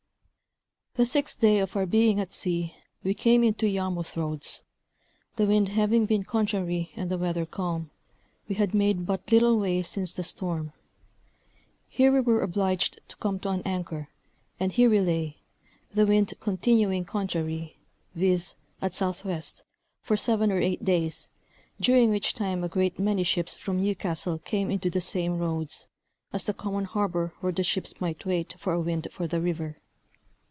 The sixth day of our being at sea we came into Yarmouth Roads; the wind having been contrary and the weather calm, we had made but little way since the storm. Here we were obliged to come to an anchor, and here we lay, the wind continuing contrary, viz., at south west, for seven or eight days, during which time a great many ships from Newcastle came into the same Roads, as the common harbor where the ships might wait for a wind for the river.